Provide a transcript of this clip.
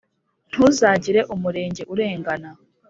Ntuzagire umurenge urengana